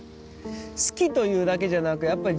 好きというだけじゃなくやっぱり。